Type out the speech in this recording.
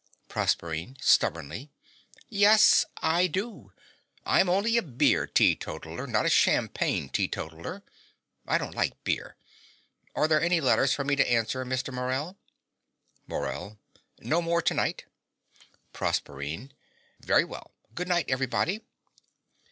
PROSERPINE (stubbornly). Yes, I do. I'm only a beer teetotaller, not a champagne teetotaller. I don't like beer. Are there any letters for me to answer, Mr. Morell? MORELL. No more to night. PROSERPINE. Very well. Good night, everybody.